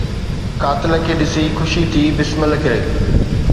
قاتل کي ڏسي خوشي ٿي بسمل کي